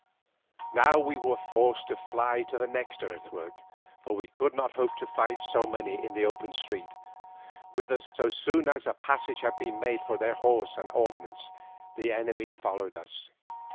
Now we were forced to fly to the next earthwork, for we could not hope to fight so many in the open street, whither, so soon as a passage had been made for their horse and ordnance, the enemy followed us.